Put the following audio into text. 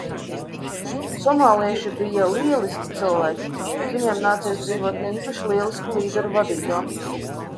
Somālieši bija lieliski cilvēki, bet viņiem nācies dzīvot ne īpaši lielisku līderu vadībā.